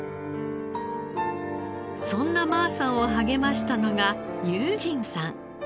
そんな馬さんを励ましたのが玉清さん。